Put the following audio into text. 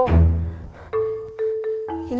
udah basuh juga